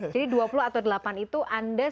jadi dua puluh atau delapan itu anda